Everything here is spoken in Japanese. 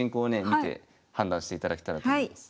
見て判断していただけたらと思います。